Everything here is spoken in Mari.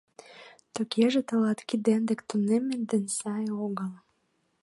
— Тугеже тылат кидем дек тунеммет дене сай огыл.